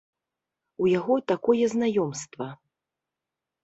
У яго такое знаёмства.